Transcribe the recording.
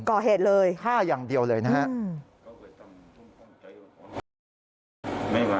ก่อเหตุเลยฆ่าอย่างเดียวเลยนะครับ